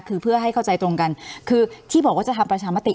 คือเพื่อให้เข้าใจตรงกันคือที่บอกว่าจะทำประชามติ